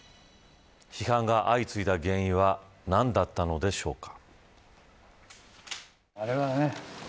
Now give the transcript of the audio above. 批判が相次いだ原因は何だったのでしょうか。